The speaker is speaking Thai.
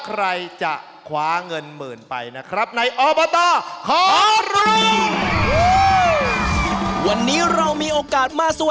ใครจะคว้าเงินหมื่นไปนะครับ